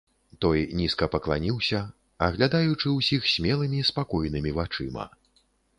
Той нізка пакланіўся, аглядаючы ўсіх смелымі, спакойнымі вачыма.